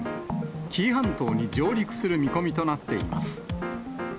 紀伊半島に上陸する見込みとなっています。